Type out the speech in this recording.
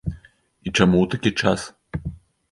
І чаму ў такі час?